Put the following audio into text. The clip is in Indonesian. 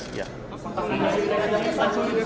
pak pasangan ini ada di pasar universitas